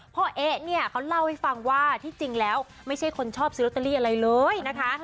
เอ๊ะเนี่ยเขาเล่าให้ฟังว่าที่จริงแล้วไม่ใช่คนชอบซื้อลอตเตอรี่อะไรเลยนะคะ